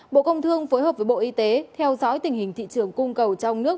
bộ công thương phối hợp với bộ y tế theo dõi tình hình thị trường cung cầu trong nước